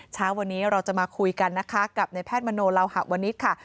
เช้าวันนี้เราจะมาคุยกันนะคะกับในแพทย์มโนลาวหะวนิษฐ์ค่ะ